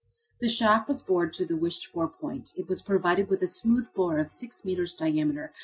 The shaft was bored to the wished for point. It was provided with a smooth bore of six metres diameter.